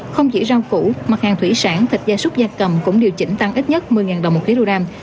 không chỉ rau củ mặt hàng thủy sản thịt da súc da cầm cũng điều chỉnh tăng ít nhất một mươi ngàn đồng một khí đô ram